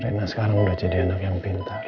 enak sekarang udah jadi anak yang pintar